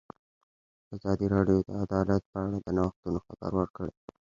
ازادي راډیو د عدالت په اړه د نوښتونو خبر ورکړی.